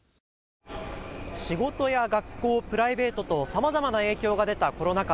仕事や学校、プライベートとさまざまな影響が出たコロナ禍